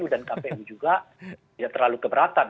dan kpu juga tidak terlalu keberatan